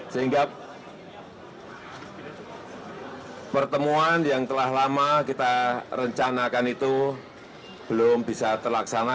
sehingga pertemuan yang telah lama kita rencanakan itu belum bisa terlaksana